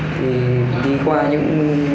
thì đi qua những